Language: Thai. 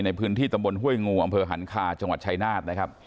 ในพื้นที่ตำบลห้วยงูอำเภอหันคาจังหวัดชายนาฏนะครับ